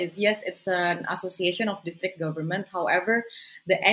itu adalah asosiasi pemerintah utama